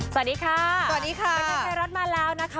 สวัสดีค่ะสวัสดีค่ะบันเทิงไทยรัฐมาแล้วนะคะ